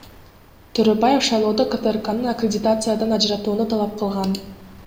Төрөбаев шайлоодо КТРКны аккредитациядан ажыратууну талап кылган.